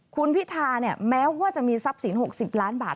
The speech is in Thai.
คุณพิธาเนี่ยแม้ว่าจะมีทรัพย์สิน๖๐ล้านบาท